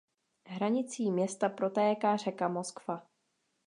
Hranicí města protéká řeka Moskva.